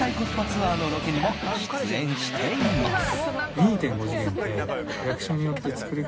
ツアーのロケにも出演しています。